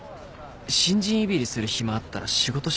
新人いびりする暇あったら仕事しましょうよ。